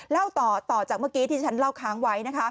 เล่าต่อจากเมื่อกี้ที่ฉันเล่าค้างไว้